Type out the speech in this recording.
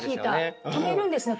止めるんですね